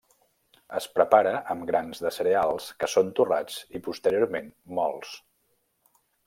Es prepara amb grans de cereals que són torrats i posteriorment mòlts.